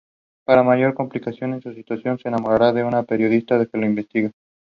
After graduating high school Rockoff attended Northeastern University in Boston.